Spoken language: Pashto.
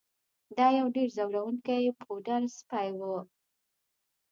دا یو ډیر ځورونکی پوډل سپی و